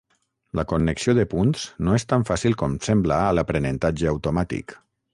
La connexió de punts no és tan fàcil com sembla a l'aprenentatge automàtic.